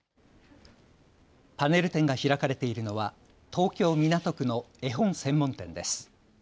パネル展が開かれているのは東京港区の絵本専門店です。